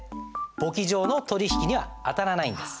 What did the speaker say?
簿記上の取引には当たらないんです。